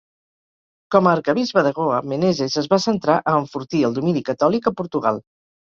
Com a arquebisbe de Goa, Menezes es va centrar a enfortir el domini catòlic a Portugal.